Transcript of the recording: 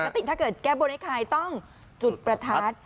ติถ้าเกิดแก้บนให้ใครต้องจุดประทัด